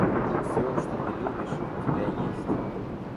Всё, что ты любишь, у тебя есть.